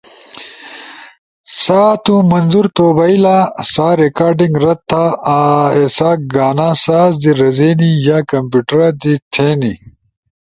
سا تُو منظور تو بئیلا۔ سا ریکارڈنگ رد تھا ایسا گانا ساز دی رزینی یا کمپیوٹرا دی تھے نی۔